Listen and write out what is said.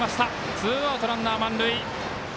ツーアウト、ランナー満塁。